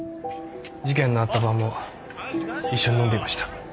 事件のあった晩も一緒に飲んでいました。